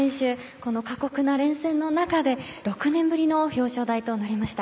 この過酷な連戦の中で６年ぶりの表彰台となりました。